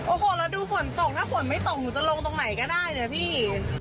โอ้โหแล้วดูฝนตกถ้าฝนไม่ตกหนูจะลงตรงไหนก็ได้นะพี่